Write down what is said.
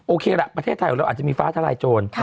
โอเคละประเทศไทยของเราอาจจะมีฟ้าทลายโจร